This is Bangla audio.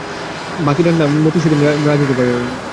বাকি রান্না মতি সেদিন রাঁধিতে পারল না।